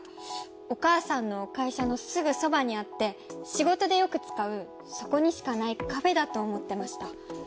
お母さんの会社のすぐそばにあって仕事でよく使うそこにしかないカフェだと思ってました。